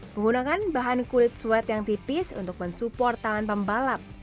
menggunakan bahan kulit suet yang tipis untuk mensupport tangan pembalap